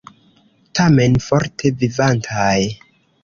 Tamen forte vivantaj!